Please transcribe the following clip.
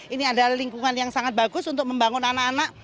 ini adalah lingkungan yang sangat bagus untuk membangun anak anak